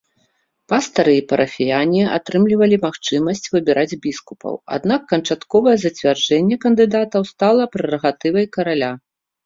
Пастары і парафіяне атрымлівалі магчымасць выбіраць біскупаў, аднак канчатковае зацвярджэнне кандыдатаў стала прэрагатывай караля.